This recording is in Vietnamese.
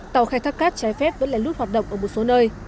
tàu khai thác cát trái phép vẫn lén lút hoạt động ở một số nơi